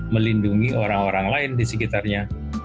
melindungi orang orang lain di sekitarnya